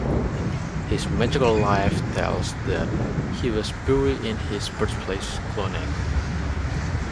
His metrical "Life" tells that he was buried in his birthplace Clonenagh.